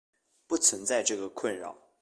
不存在这个困扰。